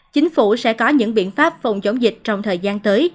chính phủ sẽ có những biện pháp phòng chống dịch trong thời gian tới